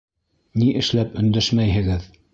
Ни эшләп өндәшмәйһегеҙ?